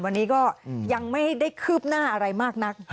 วันนี้ก็ยังไม่ได้คืบหน้าอะไรมากนัก